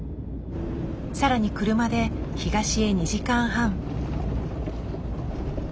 更に車で東へ２時間半。